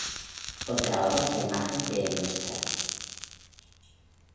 Otra obra es la imagen de Ntra.